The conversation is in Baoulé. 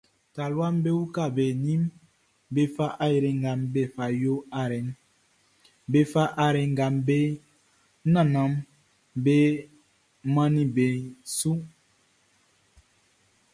Taluaʼm be uka be ninʼm be fa ayre nga be fa yo ayreʼn, be fa ayre nga be nannanʼm be mannin beʼn su.